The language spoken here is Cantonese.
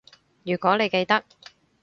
如果你記得